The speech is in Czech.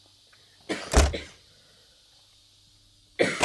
Narodil se v Tel Avivu.